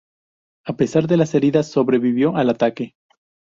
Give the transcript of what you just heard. A pesar de las heridas, sobrevivió al ataque.